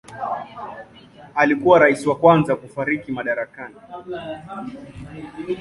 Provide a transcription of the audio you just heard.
Alikuwa rais wa kwanza kufariki madarakani.